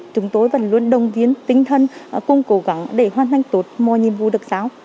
chúng tôi vẫn luôn đồng viên tinh thần cùng cố gắng để hoàn thành tốt mọi nhiệm vụ được sao